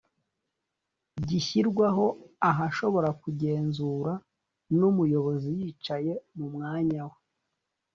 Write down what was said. gishyirwaho ahashobora kugenzura n’umuyobozi yicaye mu mwanya we